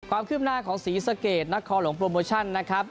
ความคืบหน้าของศรีสะเกดนักคอหลวงโปรโมชั่นนะครับ